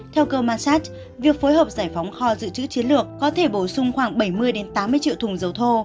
theo kermasat việc phối hợp giải phóng kho dự trữ chiến lược có thể bổ sung khoảng bảy mươi tám mươi triệu thùng dầu thô